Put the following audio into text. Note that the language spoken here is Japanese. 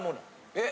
えっ。